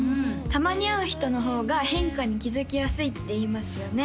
たまに会う人の方が変化に気づきやすいっていいますよね